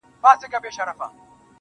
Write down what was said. د ژوند دوهم جنم دې حد ته رسولی يمه.